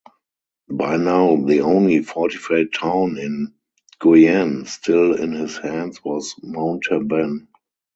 By now the only fortified town in Guyenne still in his hands was Montauban.